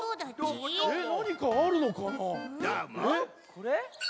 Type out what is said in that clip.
これ？